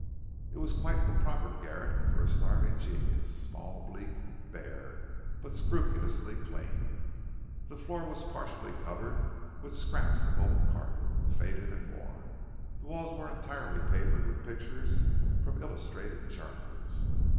It was quite the proper garret for starving genius small, bleak, bare, but scrupulously clean. The floor was partially covered with scraps of old carpet, faded and worn; the walls were entirely papered with pictures from illustrated journals.